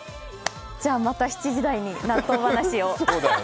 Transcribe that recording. じゃ、また７時台に納豆話を。